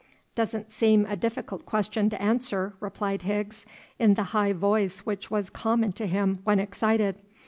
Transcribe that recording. "Doesn't seem a difficult question to answer," replied Higgs, in the high voice which was common to him when excited.